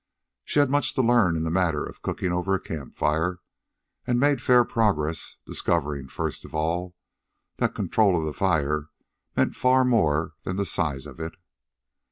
She had much to learn in the matter of cooking over a camp fire, and made fair progress, discovering, first of all, that control of the fire meant far more than the size of it.